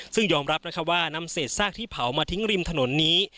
ซึ่งยอมรับว่านำเศษซากที่เผามาทิ้งริมถนนนี้